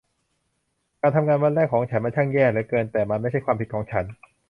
การทำงานวันแรกของฉันมันช่างแย่เหลือเกิน แต่มันไม่ใช่ความผิดของฉัน